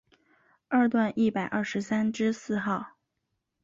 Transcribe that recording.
二段一百二十三之四号